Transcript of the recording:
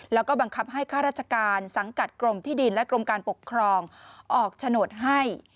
แล้วก็บังคับให้ข้าราชการสังกัดกรมที่ดินและกรมการปกครองออกโฉนดให้